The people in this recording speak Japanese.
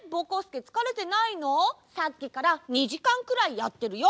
さっきから２じかんくらいやってるよ。